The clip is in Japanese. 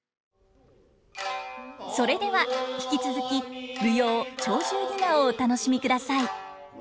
それでは引き続き舞踊「鳥獣戯画」をお楽しみください。